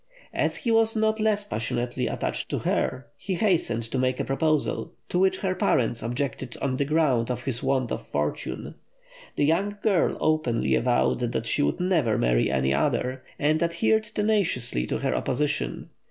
As he was not less passionately attached to her, he hastened to make a proposal, to which her parents objected on the ground of his want of fortune. The young girl openly avowed that she would never marry any other, and adhered tenaciously to her opposition.